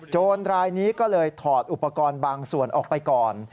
รายนี้ก็เลยถอดอุปกรณ์บางส่วนออกไปก่อน